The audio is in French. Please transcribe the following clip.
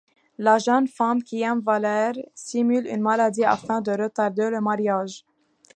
La jeune femme, qui aime Valère, simule une maladie afin de retarder le mariage.